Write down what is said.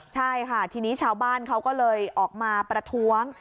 ใช่ค่ะทีนี้ชาวบ้านเขาก็เลยออกมาประท้วง